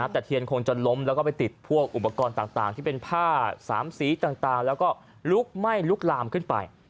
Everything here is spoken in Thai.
แต่เทียนคงจะล้มแล้วก็ไปติดพวกอุปกรณ์ต่างที่เป็นผ้าสามสีต่างแล้วก็ลุกไหม้ลุกลามขึ้นไป